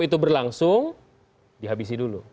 itu berlangsung dihabisi dulu